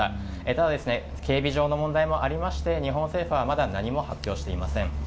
ただ、警備上の問題もありまして日本政府はまだ何も発表していません。